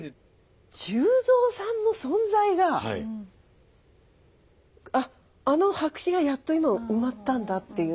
忠蔵さんの存在があっあの白紙がやっと今埋まったんだっていう。